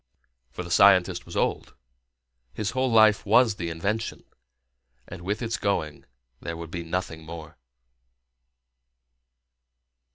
For the scientist was old, his whole life was the invention, and with its going there would be nothing more.